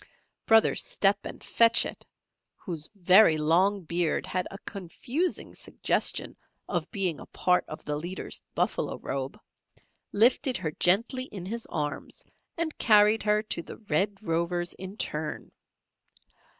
Brother Step and Fetch It, whose very long beard had a confusing suggestion of being a part of the leader's buffalo robe, lifted her gently in his arms and carried her to the Red Rovers in turn.